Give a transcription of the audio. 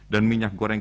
dan minyak goreng